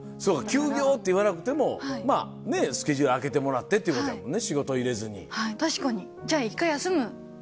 休業って言わなくてもまあね、スケジュール空けてもらってってことやもんね。